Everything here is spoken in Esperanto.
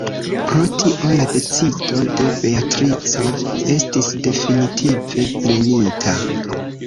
Pro tio la decido de Beatrico estis definitive prenita.